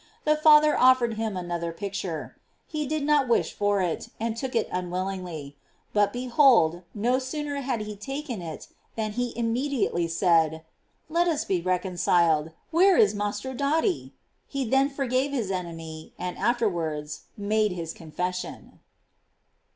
The father offered him another picture. He did not wish for it, and took it unwillingly; but behold, no sooner had he taken it, than he immediately said, "Let us be reconciled: where is Mastro datti?" He then forgave his enemy, and after wards made his confession.